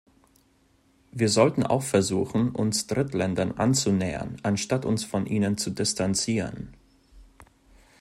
Wir sollten auch versuchen, uns Drittländern anzunähern, anstatt uns von ihnen zu distanzieren.